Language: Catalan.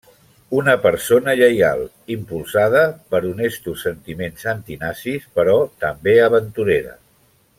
Una persona lleial, impulsada per honestos sentiments antinazis, però també aventurera.